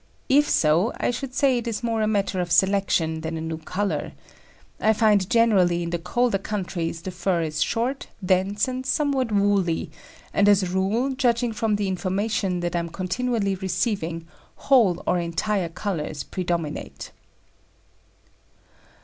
If so, I should say it is more a matter of selection than a new colour. I find generally in the colder countries the fur is short, dense, and somewhat woolly, and as a rule, judging from the information that I am continually receiving, whole or entire colours predominate.